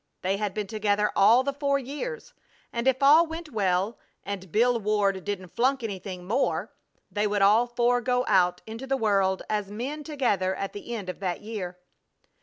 They had been together all the four years, and if all went well, and Bill Ward didn't flunk anything more, they would all four go out into the world as men together at the end of that year.